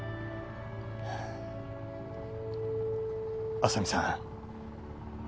浅見さん。